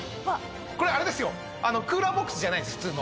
これあれですよクーラーボックスじゃないです普通の。